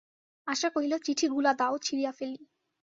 আশা কহিল, চিঠিগুলা দাও, ছিঁড়িয়া ফেলি।